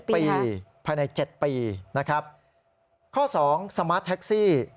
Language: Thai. ปีภายใน๗ปีนะครับข้อ๒สมาร์ทแท็กซี่